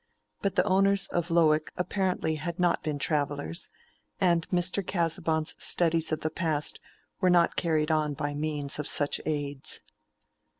But the owners of Lowick apparently had not been travellers, and Mr. Casaubon's studies of the past were not carried on by means of such aids.